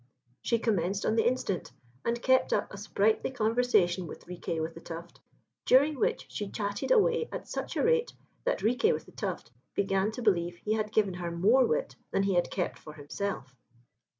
She commenced on the instant, and kept up a sprightly conversation with Riquet with the Tuft, during which she chatted away at such a rate, that Riquet with the Tuft began to believe he had given her more wit than he had kept for himself.